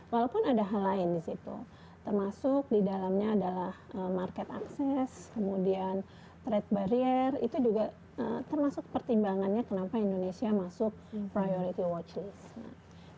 walaupun ada hal lain di situ termasuk di dalamnya adalah market access kemudian trade barrier itu juga termasuk pertimbangannya kenapa indonesia masuk priority watch list